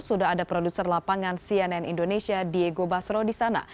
sudah ada produser lapangan cnn indonesia diego basro di sana